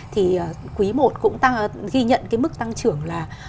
thì quý một cũng ghi nhận mức tăng trưởng